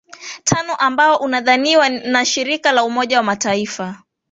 tano ambao unadhaminiwa na shirika la umoja wa mataifa